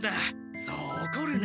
そうおこるな。